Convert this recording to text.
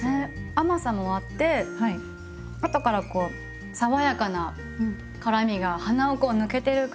甘さもあって後から爽やかな辛みが鼻をこう抜けてる感じが。